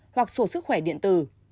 hoặc sổ sức khỏe điện tử